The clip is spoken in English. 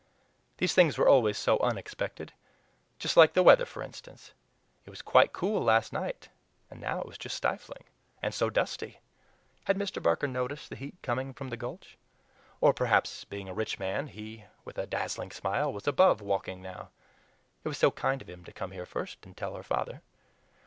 These things were always so unexpected! Just like the weather, for instance. It was quite cool last night and now it was just stifling. And so dusty! Had Mr. Barker noticed the heat coming from the Gulch? Or perhaps, being a rich man, he with a dazzling smile was above walking now. It was so kind of him to come here first and tell her father.